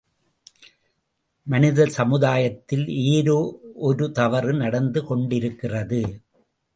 மனித சமுதாயத்தில் ஏதோ ஒரு தவறு நடந்து கொண்டிருக்கிறது.